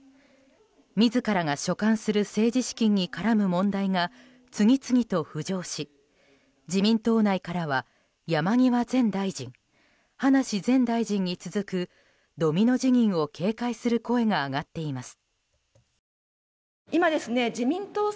自らが所管する政治資金に絡む問題が次々と浮上し、自民党内からは山際前大臣葉梨前大臣に続くドミノ辞任を警戒する声が上がっています。